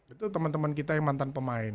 itu teman teman kita yang mantan pemain